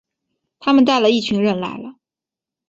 他们带了一群人来了